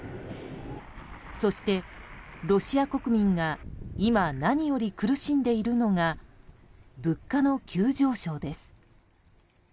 そしてロシア国民が今、何より苦しんでいるのが物価の急上昇です。